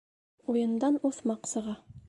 Уйындан уҫмаҡ сыға.